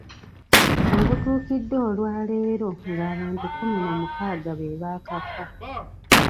We butuukidde olwaleero ng’abantu kkumi na mukaaga be baakafa.